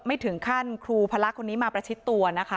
ไม่ถึงขั้นครูพละคนนี้มาประชิดตัวนะคะ